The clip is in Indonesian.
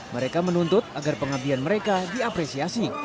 mereka menuntut agar pengabdian mereka diapresiasi